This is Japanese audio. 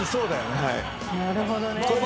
なるほどね。えっ？